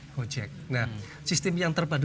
gojek nah sistem yang terpadu